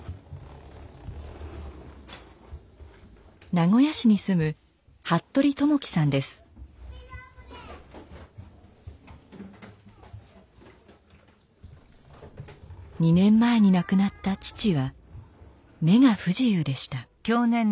名古屋市に住む２年前に亡くなった父は目が不自由でした。